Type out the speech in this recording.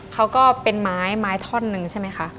ก็เป็นไม้ไม้ท่อนหนึ่งใช่ไหมคะ